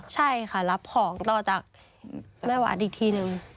ใช่ค่ะรับของต่อจากแม่หวานอีกทีนึง